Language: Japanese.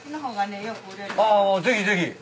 あぜひぜひ。